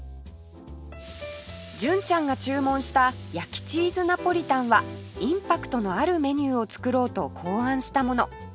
純ちゃんが注文した焼きチーズナポリタンはインパクトのあるメニューを作ろうと考案したもの